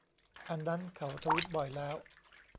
อันนั้นเขาทวิตบ่อยแล้ว